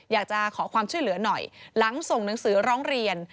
อยากจะขอความช่วยเหลือหน่อยหลังส่งหนังสือร้องเรียน